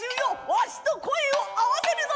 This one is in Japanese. わしと声を合わせるのだ！」。